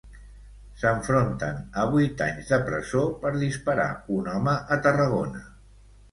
S'enfronten a vuit anys de presó per disparar un home a Tarragona.